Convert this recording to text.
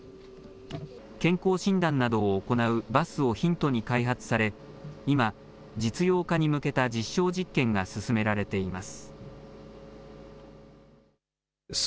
健康診断などを行うバスをヒントに開発され今、実用化に向けた実証実験が進められています。